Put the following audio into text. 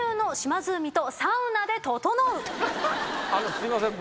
すいません